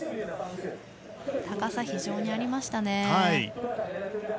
高さ、非常にありましたね。